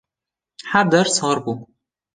her der sar bû.